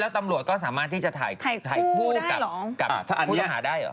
ตำรวจก็สามารถที่จะถ่ายคู่กับผู้ต้องหาได้เหรอ